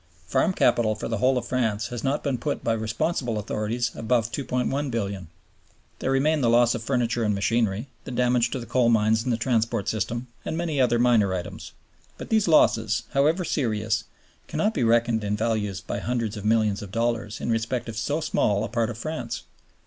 Farm Capital for the whole of France has not been put by responsible authorities above $2,100,000,000. There remain the loss of furniture and machinery, the damage to the coal mines and the transport system, and many other minor items. But these losses, however serious, cannot be reckoned in value by hundreds of millions of dollars in respect of so small a part of France.